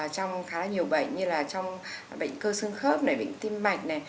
trong khá là nhiều bệnh như là trong bệnh cơ xương khớp này bệnh tim mạch này